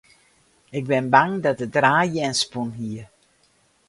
Ik bin bang dat it raar jern spûn hie.